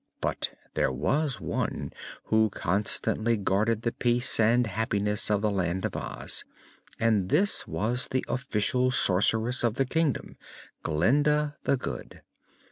But there was one who constantly guarded the peace and happiness of the Land of Oz and this was the Official Sorceress of the Kingdom, Glinda the Good.